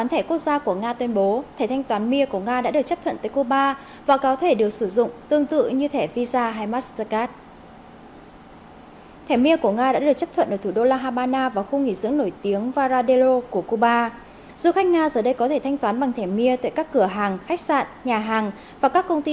hệ thống thanh toán thẻ quốc gia của nga tuyên bố thẻ thanh toán mir của nga đã được chấp thuận tới cuba và có thể được sử dụng tương tự như thẻ visa hay mastercard